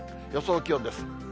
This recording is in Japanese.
予想気温です。